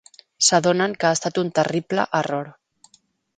S'adonen que ha estat un terrible error.